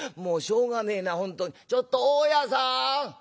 ちょっと大家さん。